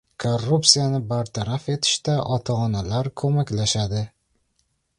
Korrupsiyani bartaraf etishda ota-onalar ko‘maklashadi